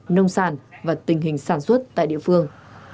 nông sản và tình hình sản xuất tại địa phương